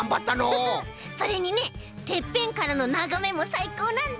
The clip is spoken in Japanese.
それにねてっぺんからのながめもさいこうなんだ！